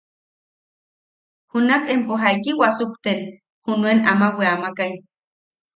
–¿Junak empo jaiki wasukten junuen ama weamakai?